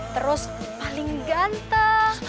terus paling ganteng